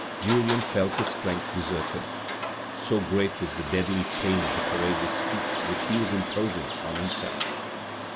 Julien felt his strength desert him. So great was the deadly pain of the courageous feat which he was imposing on himself.